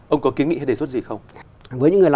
ông có kiến nghị hay đề xuất gì không